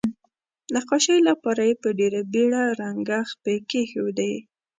نقاشۍ لپاره یې په ډیره بیړه رنګه خپې کیښودې.